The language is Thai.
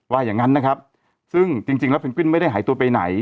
อย่างนั้นนะครับซึ่งจริงแล้วเพนกวินไม่ได้หายตัวไปไหน